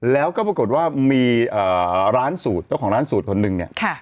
แล้วก็ปรากฏว่ามีร้านสูตรเจ้าของร้านสูตรคนหนึ่งเนี่ย